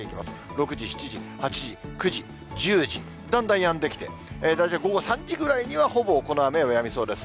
６時、７時、８時、９時、１０時、だんだんやんできて、大体午後３時ぐらいには、ほぼ、この雨はやみそうです。